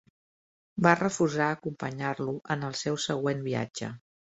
Va refusar acompanyar-lo en el seu següent viatge.